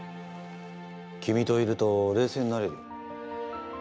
君といると冷静になれるよ。